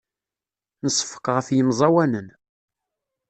Nseffeq ɣef yemẓawanen.